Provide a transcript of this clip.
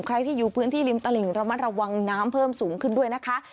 ใครที่อยู่พื้นที่ริมตลิ่งระมัดระวังน้ำเพิ่มสูงขึ้นด้วยนะคะ